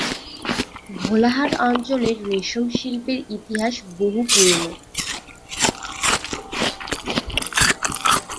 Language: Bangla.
ভোলাহাট অঞ্চলের রেশম শিল্পের ইতিহাস বহু পুরানো।